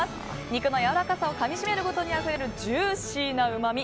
肉のやわらかさをかみしめるごとにあふれるジューシーなうまみ。